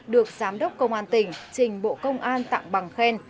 được giám đốc công an tỉnh trình bộ công an tặng bằng khen